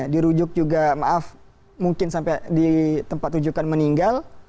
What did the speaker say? dirujuk juga maaf mungkin sampai di tempat rujukan meninggal